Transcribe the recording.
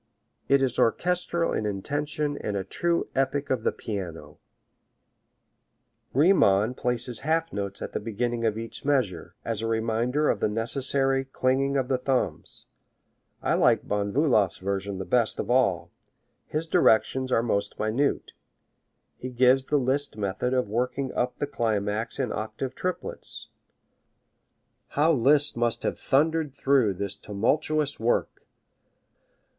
It is orchestral in intention and a true epic of the piano. Riemann places half notes at the beginning of each measure, as a reminder of the necessary clinging of the thumbs. I like Von Bulow's version the best of all. His directions are most minute. He gives the Liszt method of working up the climax in octave triplets. How Liszt must have thundered through this tumultuous work!